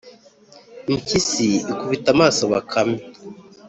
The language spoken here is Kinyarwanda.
impyisi ikubita amaso bakame